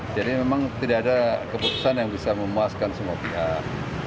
jadi memang tidak ada keputusan yang bisa memuaskan semua pihak